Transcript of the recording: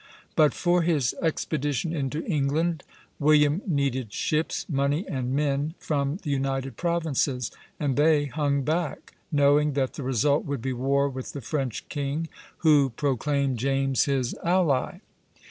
But for his expedition into England, William needed ships, money, and men from the United Provinces; and they hung back, knowing that the result would be war with the French king, who proclaimed James his ally.